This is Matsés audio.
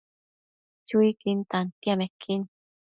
Chuiquin tantiamequin